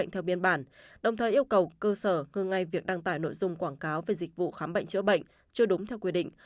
tải nội dung quảng cáo về dịch vụ khám bệnh chữa bệnh chưa đúng theo quy định